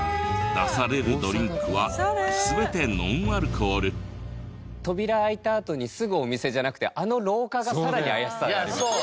出されるドリンクは扉開いたあとにすぐお店じゃなくてあの廊下がさらに怪しさがありますよね。